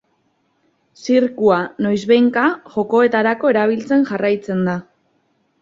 Zirkua, noiz behinka, jokoetarako erabiltzen jarraitzen da.